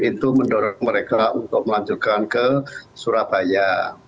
itu mendorong mereka untuk melanjutkan ke surabaya